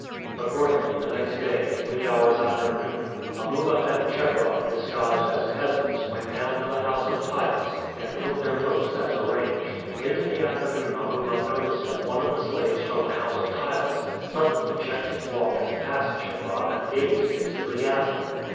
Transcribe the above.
Accordingly the next day, three hours after noon, Amuba and Chebron, disguised as peasants, went down to the house of Ptylus and took their posts as arranged. Late in the afternoon Amuba noticed that one of the slaves from the house of Ptylus suddenly checked his walk as he passed Chebron and gazed fixedly at him.